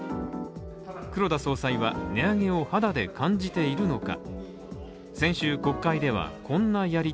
黒田総裁は値上げを肌で感じているのか。